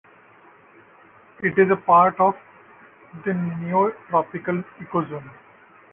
It is part of the Neotropical ecozone.